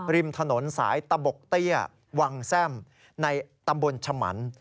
ริมถนนสายตะบกเตี้ยวังแซ่มในตำบลฉมัน